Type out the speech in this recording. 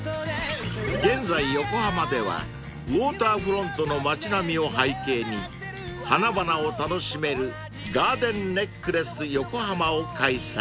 ［現在横浜ではウオーターフロントの街並みを背景に花々を楽しめるガーデンネックレス横浜を開催］